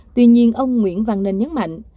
tuy nhiên ông nguyễn văn ninh nhấn mạnh